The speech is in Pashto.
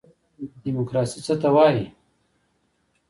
دیموکراسي څه ته وایي؟